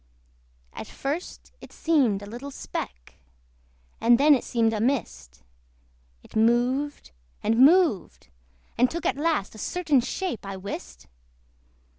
At first it seemed a little speck, And then it seemed a mist: It moved and moved, and took at last A certain shape, I wist.